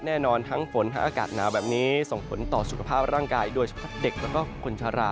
แน่นอนทั้งฝนทั้งอากาศหนาวแบบนี้ส่งผลต่อสุขภาพร่างกายโดยเฉพาะเด็กแล้วก็คนชะลา